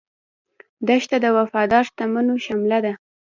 دښته د وفادار شتمنو شمله ده.